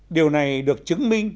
điều này được chứng minh